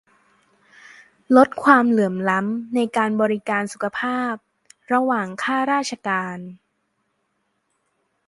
ลดความเหลื่อมล้ำในการบริการสุขภาพระหว่างข้าราชการ